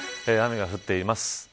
雨が降っています。